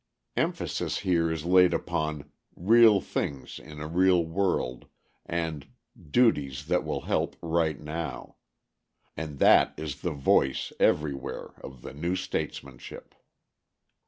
Emphasis here is laid upon "real things in a real world" and "duties that will help right now"; and that is the voice everywhere of the new statesmanship.